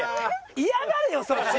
嫌がれよそっち！